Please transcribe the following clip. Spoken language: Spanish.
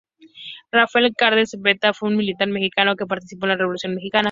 Rafael Cárdenas Zepeda fue un militar mexicano que participó en la Revolución mexicana.